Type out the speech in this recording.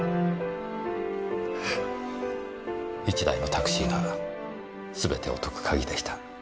１台のタクシーがすべてを解く鍵でした。